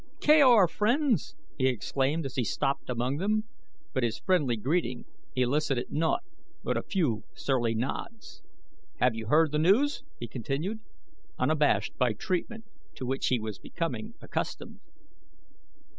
"Kaor, friends!" he exclaimed as he stopped among them, but his friendly greeting elicited naught but a few surly nods. "Have you heard the news?" he continued, unabashed by treatment to which he was becoming accustomed.